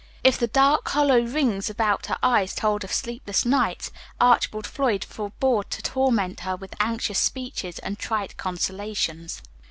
If the dark hollow rings about her eyes told of sleepless nights, Archibald Floyd forbore to torment her with anxious speeches and trite consolations.